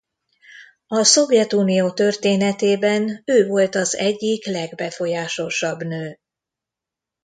A Szovjetunió történetében ő volt az egyik legbefolyásosabb nő.